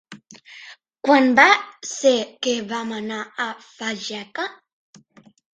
Quan va ser que vam anar a Fageca?